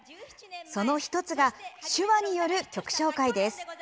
その１つが手話による曲紹介です。